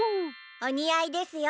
おにあいですよ